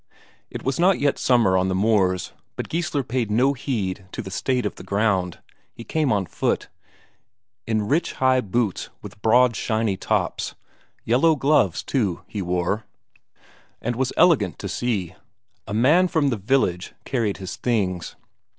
It was not yet summer on the moors, but Geissler paid no heed to the state of the ground; he came on foot, in rich high boots with broad, shiny tops; yellow gloves, too, he wore, and was elegant to see; a man from the village carried his things.